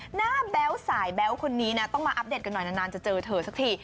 หน้าแบ้วสายแบ้วคนนี้ต้องอัพเดตกันหน่อยจะเจอเธอสักที